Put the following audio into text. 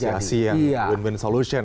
tidak ada negosiasi yang win win solution